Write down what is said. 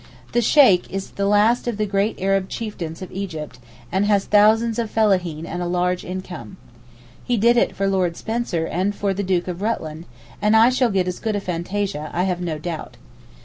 The Sheykh is the last of the great Arab chieftains of Egypt, and has thousands of fellaheen and a large income. He did it for Lord Spencer and for the Duke of Rutland and I shall get as good a fantasia, I have no doubt.